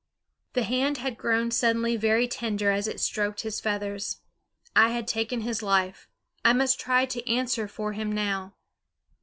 The hand had grown suddenly very tender as it stroked his feathers. I had taken his life; I must try to answer for him now.